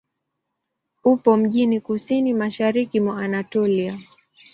Upo mjini kusini-mashariki mwa Anatolia.